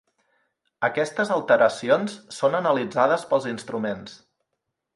Aquestes alteracions són analitzades pels instruments.